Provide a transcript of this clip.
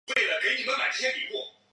卡斯蒂隆。